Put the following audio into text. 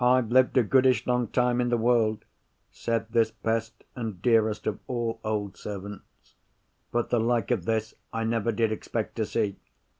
"I've lived a goodish long time in the world," said this best and dearest of all old servants—"but the like of this, I never did expect to see.